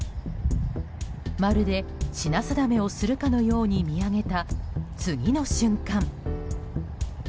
まるで品定めをするかのように見上げた次の瞬間。